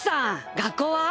学校は？